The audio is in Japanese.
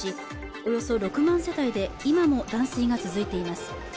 およそ６万世帯で今も断水が続いています